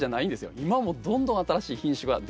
今もどんどん新しい品種が出てきてます。